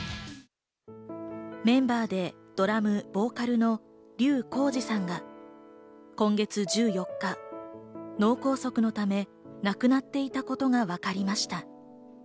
メンバーでドラム、ボーカルの笠浩二さんが、今月１４日、脳梗塞のため、亡くなっていたことがわかりました。